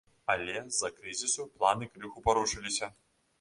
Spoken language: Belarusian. Але з-за крызісу планы крыху парушыліся.